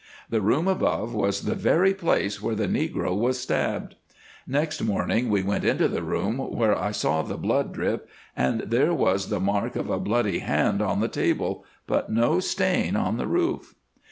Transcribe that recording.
The room above was the very place where the negro was stabbed. Next morning we went into the room where I saw the blood drip, and there was the mark of a bloody hand on the table, but no stain on the roof.